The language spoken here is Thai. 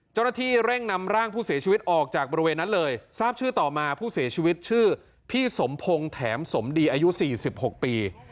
เจ้าหน้าที่เร่งนำร่างผู้เสียชีวิตออกจากบริเวณนั้นเลยทราบชื่อต่อมาผู้เสียชีวิตชื่อพี่สมพงศ์แถมสมดีอายุ๔๖ปี